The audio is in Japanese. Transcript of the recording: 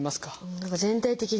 何か全体的に。